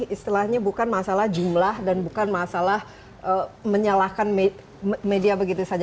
istilahnya bukan masalah jumlah dan bukan masalah menyalahkan media begitu saja